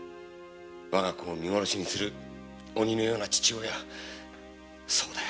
わが子を見殺しにする鬼のような父親だ。